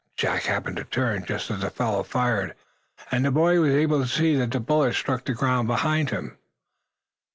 Jack happened to turn, just as the fellow fired, and the boy was able to see that the bullet struck the ground behind him.